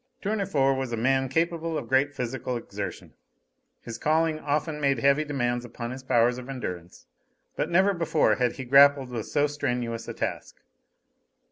Tournefort was a man capable of great physical exertion. His calling often made heavy demands upon his powers of endurance; but never before had he grappled with so strenuous a task.